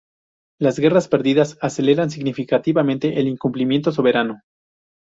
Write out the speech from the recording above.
Las guerras perdidas aceleran significativamente el incumplimiento soberano.